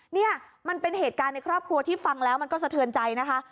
นี่มันเป็นเหตุการณ์ในครอบครัวที่ฟังแล้วมันก็สะเทือนใจนะคะ